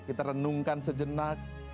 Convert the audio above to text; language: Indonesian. kita renungkan sejenak